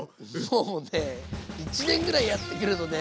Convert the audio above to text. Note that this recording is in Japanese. もうね１年ぐらいやってくるとね